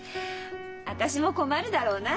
私も困るだろうな。